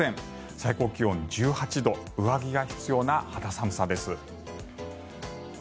最高気温、１８度上着が必要な肌寒さです。